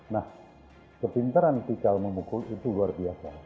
nah kepinteran eskical memukul itu luar biasa